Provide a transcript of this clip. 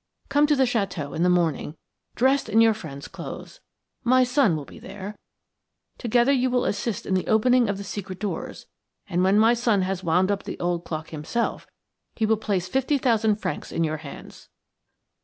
Come to the château in the morning, dressed in your friend's clothes. My son will be there; together you will assist at the opening of the secret doors, and when my son has wound up the old clock himself, he will place fifty thousand francs in your hands."